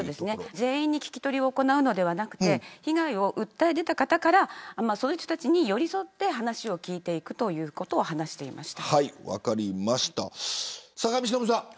全員に聞き取りを行うのではなくて被害を訴え出た方からその人たちに寄り添って話を聞いていくということを話していました。